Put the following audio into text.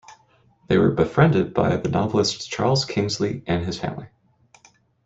They were befriended by the novelist Charles Kingsley and his family.